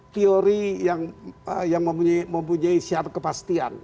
teori yang mempunyai syarat kepastian